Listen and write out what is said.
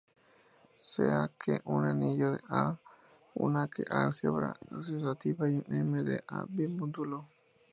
Sea "k" un anillo, "A" una "k"-álgebra asociativa, y "M" un "A"-bimódulo.